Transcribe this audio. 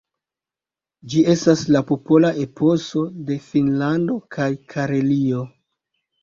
Ĝi estas la popola eposo de Finnlando kaj Karelio.